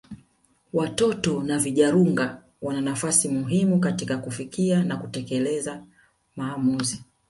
Watoto na vijarunga wana nafasi muhimu katika kufikia na kutekeleza maamuzi